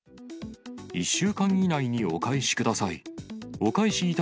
１週間以内にお返しください。